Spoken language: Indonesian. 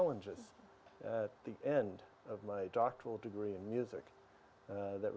apakah keadaan autism ini masih ada